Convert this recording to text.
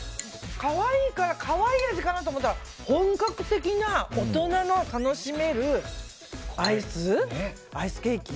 可愛いから可愛い味かなと思ったら本格的な大人の楽しめるアイスケーキ。